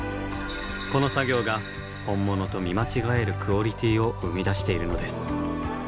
この作業が本物と見間違えるクオリティを生み出しているのです。